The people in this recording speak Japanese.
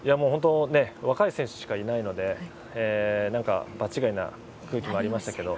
若い選手しかいないので場違いな空気もありましたけど。